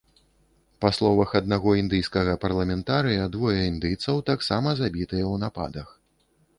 Па словах аднаго індыйскага парламентарыя, двое індыйцаў таксама забітыя ў нападах.